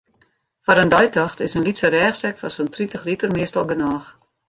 Foar in deitocht is in lytse rêchsek fan sa'n tritich liter meastal genôch.